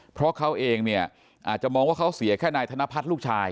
เพราะเขาเองเนี่ยอาจจะมองว่าเขาเสียแค่นายธนพัฒน์ลูกชาย